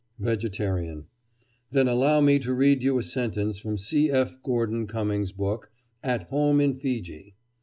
VEGETARIAN: Then allow me to read you a sentence from C. F. Gordon Cumming's book, "At Home in Fiji."